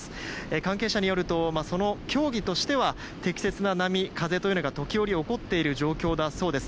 関係者によると競技としては適切な波、風というのが時折起こっている状況だそうです。